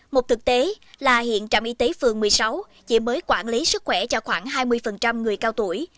một thực tế là hiện trạm y tế phường một mươi sáu chỉ mới quản lý sức khỏe cho khoảng hai mươi người cao tuổi